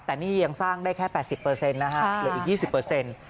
แต่นี่ยังสร้างได้แค่๘๐นะฮะเหลืออีก๒๐